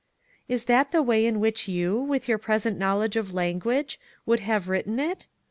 "Is that the way in which you, with your present knowledge of language, would have written it